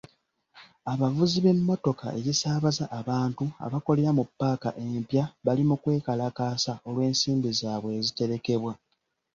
Abavuzi b'emmotoka ezisaabaza abantu abakolera mu paaka empya bali mu kwekalakaasa olw'ensimbi zaabwe eziterekebwa.